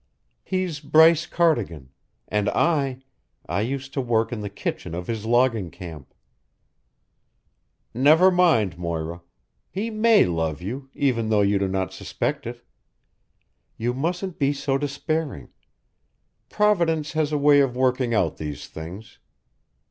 He's Bryce Cardigan and I I used to work in the kitchen of his logging camp." "Never mind, Moira. He may love you, even though you do not suspect it. You mustn't be so despairing. Providence has a way of working out these things.